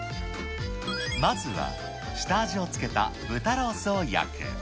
まずは下味を付けた豚ロースを焼く。